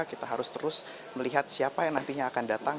kita harus terus melihat siapa yang nantinya akan datang